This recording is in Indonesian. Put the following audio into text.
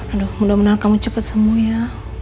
aduh mudah mudahan kamu cepat sembuh ya